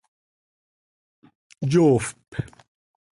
Yoofp.